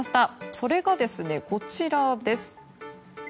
それが、こちらです。